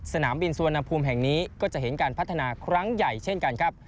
สนามบินสุวรรณภูมิแห่งนี้ก็จะเห็นการพัฒนาครั้งใหญ่เช่นกันครับ